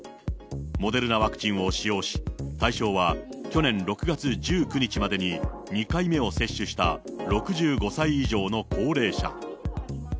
モデルナワクチンを使用し、対象は去年６月１９日までに２回目を接種した６５歳以上の高齢者。